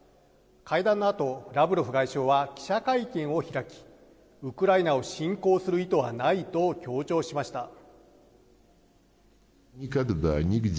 会談のあと、ラブロフ外相は記者会見を開き、ウクライナを侵攻する意図はないと強調しました。